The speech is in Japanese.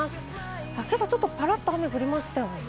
今朝はちょっとパラッと雨が降りましたよね。